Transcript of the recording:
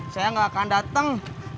saya gak akan dateng